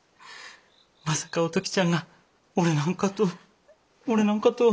まさかお時ちゃんが俺なんかと俺なんかと。